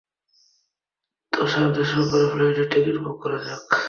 তো, সামনের সোমবারে ফ্লাইটের টিকিট বুক করা যাক।